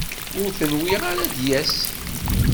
Ur t-nwiɣ ara ad d-yas.